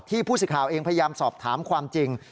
ผู้สื่อข่าวเองพยายามสอบถามความจริง